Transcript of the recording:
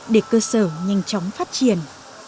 để cơ sở nhanh chóng phát triển